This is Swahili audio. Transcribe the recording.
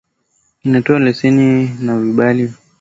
inatoa leseni na vibali vya kutoa huduma za mifumo ya malipo